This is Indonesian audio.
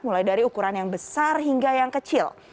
mulai dari ukuran yang besar hingga yang kecil